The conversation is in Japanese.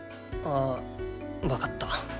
ああわかった。